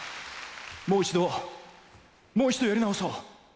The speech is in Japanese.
もう一度もう一度やり直そう！